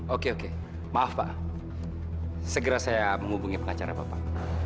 oke oke maaf pak segera saya menghubungi pengacara bapak